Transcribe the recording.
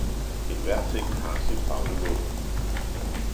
Enhver ting har sit favnemål!